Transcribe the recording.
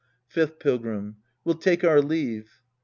Fifth Pilgrim. We'll take our leave.